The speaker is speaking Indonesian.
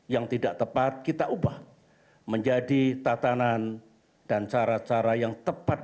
yang tidak tepat kita ubah menjadi tatanan dan cara cara yang tepat